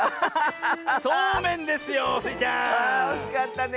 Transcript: ああおしかったね。